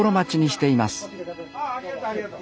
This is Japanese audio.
ありがとうありがとう。